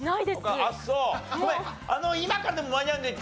今からでも間に合うので。